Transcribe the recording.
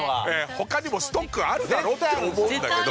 他にもストックあるだろって思うんだけど。